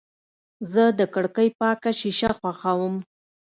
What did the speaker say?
زه د کړکۍ پاکه شیشه خوښوم.